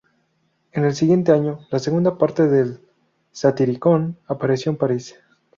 En el siguiente año, la segunda parte del "Satyricon" apareció en París.